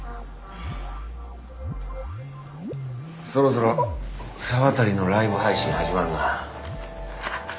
そろそろ沢渡のライブ配信始まるな。